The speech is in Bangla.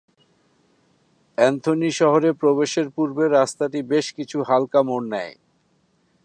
অ্যান্থনি শহরে প্রবেশের পূর্বে রাস্তাটি বেশ কিছু হালকা মোড় নেয়।